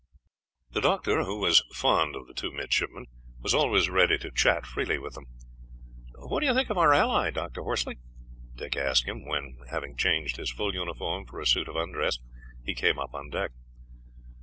The doctor, who was fond of the two midshipmen, was always ready to chat freely with them. "What did you think of our ally, Dr. Horsley?" Dick asked him, when, having changed his full uniform for a suit of undress, he came up on deck.